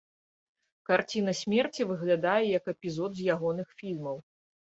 Карціна смерці выглядае як эпізод з ягоных фільмаў.